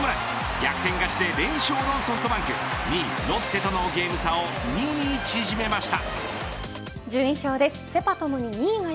逆転勝ちで連勝のソフトバンク２位ロッテとのゲーム差を２に縮めました。